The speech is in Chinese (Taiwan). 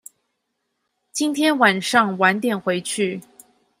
今天晚上晚點回去